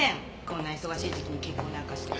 こんな忙しい時期に結婚なんかして。